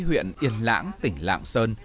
huyện yên lãng tỉnh lạng sơn